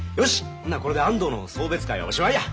ほなこれで安藤の送別会はおしまいや！